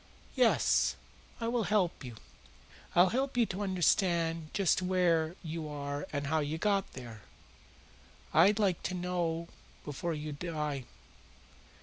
"Yes, I will help you. I'll help you to understand just where you are and how you got there. I'd like you to know before you die."